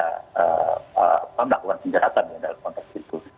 kita harus melakukan pindahkan ya dalam konteks itu